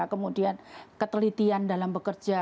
kemudian ketelitian dalam bekerja